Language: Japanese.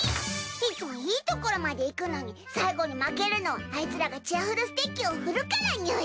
いつもいいところまでいくのに最後に負けるのはアイツらがチアふるステッキを振るからにゅい。